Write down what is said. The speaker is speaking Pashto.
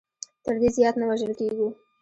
تر دې زیات نه وژل کېږو.